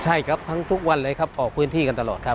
ใช่ครับทั้งทุกวันเลยครับออกพื้นที่กันตลอดครับ